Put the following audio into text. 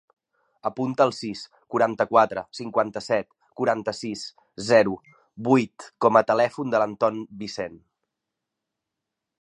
Apunta el sis, quaranta-quatre, cinquanta-set, quaranta-sis, zero, vuit com a telèfon de l'Anton Vicent.